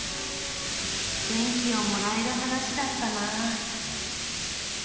元気をもらえる話だったな。